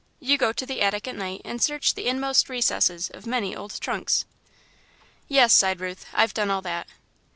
You go to the attic at night and search the inmost recesses of many old trunks." "Yes," sighed Ruth, "I've done all that."